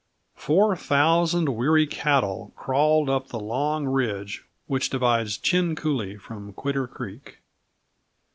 Four thousand weary cattle crawled up the long ridge which divides Chin Coulee from Quitter Creek.